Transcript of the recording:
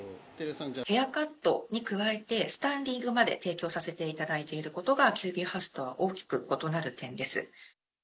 ヘアカットに加えて、スタイリングまで提供させていただいていることが、ＱＢハウスとは大きく異なる点です。